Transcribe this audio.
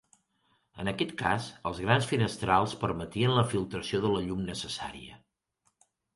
En aquest cas, els grans finestrals permetien la filtració de la llum necessària.